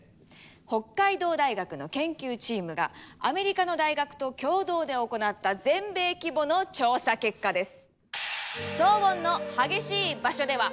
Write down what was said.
北海道大学の研究チームがアメリカの大学と共同で行った全米規模の調査結果です。